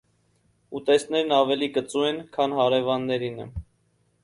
Ուտեստներն ավելի կծու են, քան հարևաններինը։